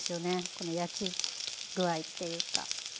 この焼き具合っていうか。